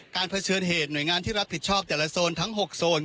เผชิญเหตุหน่วยงานที่รับผิดชอบแต่ละโซนทั้ง๖โซน